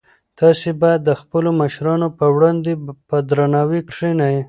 تاسي باید د خپلو مشرانو په وړاندې په درناوي کښېنئ.